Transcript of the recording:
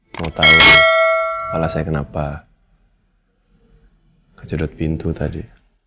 mau tau kepala saya kenapa kecedot pintu tadi